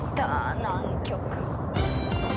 南極。